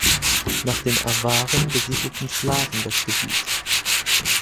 Nach den Awaren besiedelten Slawen das Gebiet.